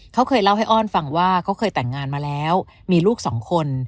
เขาเคยเล่าให้อ้อนฟังว่าเขาเคยแต่งงานมาแล้วมีลูกสองคน